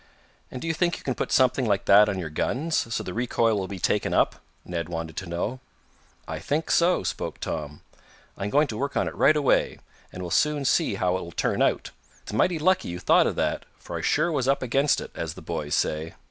"And do you think you can put something like that on your guns, so the recoil will be taken up?" Ned wanted to know. "I think so," spoke Tom. "I'm going to work on it right away, and we'll soon see how it will turn out. It's mighty lucky you thought of that, for I sure was up against it, as the boys say."